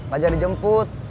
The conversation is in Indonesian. gak jadi jemput